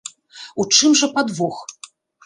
У чым жа падвох?